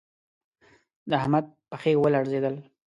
د احمد پښې و لړزېدل